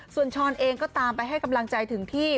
ส่วนช้อนเองก็ตามไปให้กำลังใจถึงที่